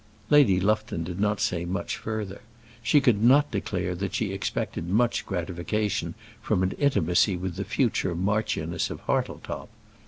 Lady Lufton did not say much further. She could not declare that she expected much gratification from an intimacy with the future Marchioness of Hartletop.